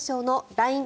ＬＩＮＥ